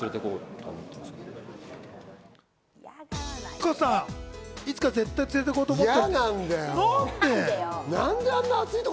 加藤さん、いつか絶対連れて行こうと思うって。